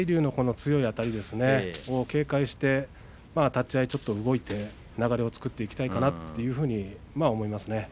それを警戒して立ち合い、ちょっと動いて流れを作っていきたいかなというふうに思いますね。